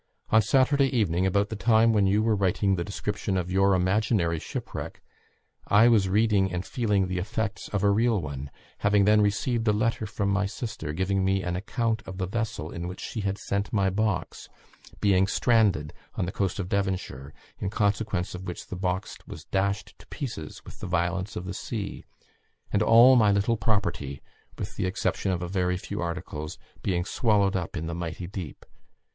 On Saturday evening, about the time when you were writing the description of your imaginary shipwreck, I was reading and feeling the effects of a real one, having then received a letter from my sister giving me an account of the vessel in which she had sent my box being stranded on the coast of Devonshire, in consequence of which the box was dashed to pieces with the violence of the sea, and all my little property, with the exception of a very few articles, being swallowed up in the mighty deep.